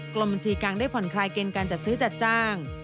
กรมบัญชีกลางได้ผ่อนคลายเกณฑ์การจัดซื้อจัดจ้าง